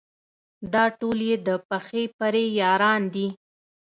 دا ټول یې د پخې پرې یاران دي.